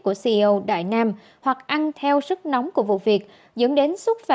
của ceo đại nam hoặc ăn theo sức nóng của vụ việc